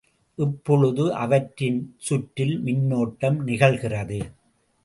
இப்பொழுது அவற்றின் சுற்றில் மின்னோட்டம் நிகழ்கிறது.